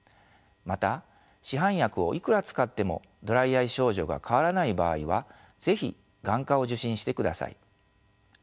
また市販薬をいくら使ってもドライアイ症状が変わらない場合は是非眼科を受診してください。